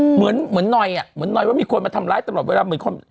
เหมือนหน่อยอะเหมือนหน่อยว่ามีคนมาทำร้ายตลอดเวลา